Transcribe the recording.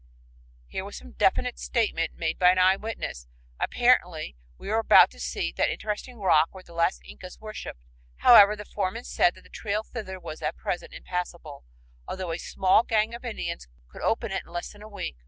Here was a definite statement made by an eyewitness. Apparently we were about to see that interesting rock where the last Incas worshiped. However, the foreman said that the trail thither was at present impassable, although a small gang of Indians could open it in less than a week.